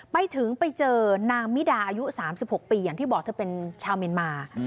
ไปถึงไปเจอนางมิดาอายุ๓๖ปีอย่างที่บอกเธอเป็นชาวเมียนมา